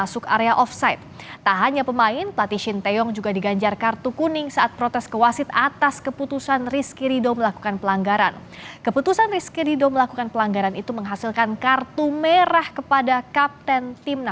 saya ingin mengucapkan selamat menang ke uzebakistan